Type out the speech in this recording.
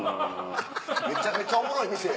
めちゃめちゃおもろい店。